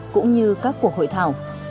cũng như các cuộc hội thảo